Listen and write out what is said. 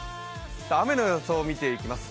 雨の予想を見ていきます。